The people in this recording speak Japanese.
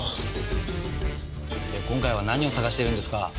で今回は何を探してるんですか？